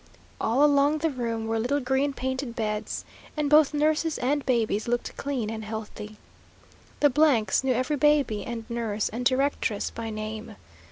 All along the room were little green painted beds, and both nurses and babies looked clean and healthy. The s knew every baby and nurse and directress by name.